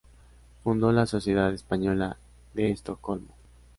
Fundó la Sociedad Española de Estocolmo.